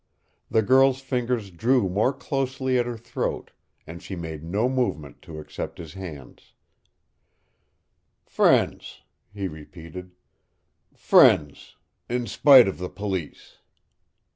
The girl's fingers drew more closely at her throat, and she made no movement to accept his hand. "Friends," he repeated. "Friends in spite of the police."